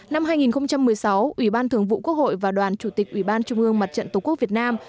năm hai nghìn một mươi sáu ủy ban thường vụ quốc hội và đoàn chủ tịch ủy ban trung ương mặt trận tổ quốc việt nam